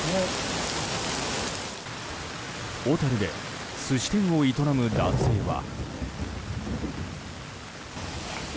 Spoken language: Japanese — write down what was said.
小樽で寿司店を営む男性は。